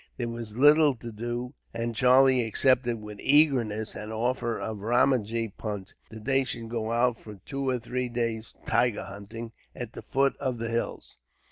There was little to do, and Charlie accepted with eagerness an offer of Ramajee Punt, that they should go out for two or three days' tiger hunting, at the foot of the hills.